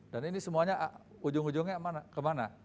dan ini semuanya ujung ujungnya kemana